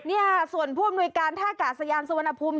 นี่ค่ะส่วนผู้อำนวยการท่ากาศยานสุวรรณภูมิ